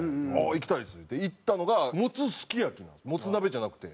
「行きたいです」って行ったのがもつすき焼きもつ鍋じゃなくて。